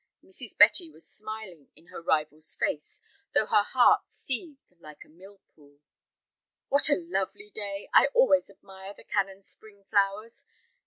Mrs. Betty was smiling in her rival's face, though her heart seethed like a mill pool. "What a lovely day! I always admire the Canon's spring flowers.